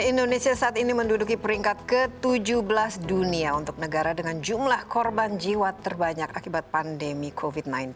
indonesia saat ini menduduki peringkat ke tujuh belas dunia untuk negara dengan jumlah korban jiwa terbanyak akibat pandemi covid sembilan belas